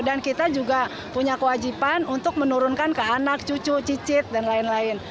dan kita juga punya kewajiban untuk menurunkan ke anak cucu cicit dan lain lain